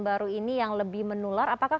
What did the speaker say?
baru ini yang lebih menular apakah